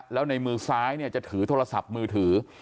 แล้วในมือซ้ายจะถือโทรศัพท์มือถือ